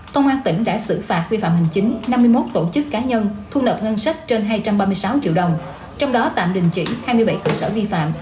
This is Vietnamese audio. công an tỉnh đã xử phạt vi phạm hành chính năm mươi một tổ chức cá nhân thu nợ ngân sách trên hai trăm ba mươi sáu triệu đồng trong đó tạm đình chỉ hai mươi bảy cơ sở vi phạm